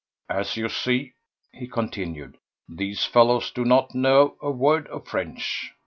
"As you see," he continued, "these fellows do not know a word of French.